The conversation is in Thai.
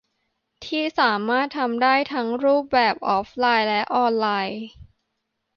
ที่สามารถทำได้ทั้งรูปแบบออฟไลน์และออนไลน์